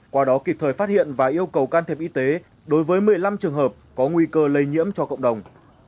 qua đó kịp thời phát hiện và yêu cầu can thiệp y tế đối với một mươi năm trường hợp có nguy cơ lây nhiễm cho cộng đồng